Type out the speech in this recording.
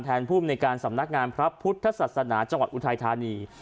ภูมิในการสำนักงานพระพุทธศาสนาจังหวัดอุทัยธานี